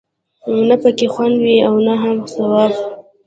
نه پکې خوند وي او نه هم ثواب.